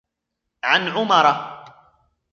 عَنْ عُمَرَ